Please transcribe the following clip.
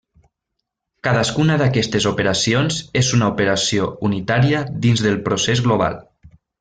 Cadascuna d'aquestes operacions és una operació unitària dins del procés global.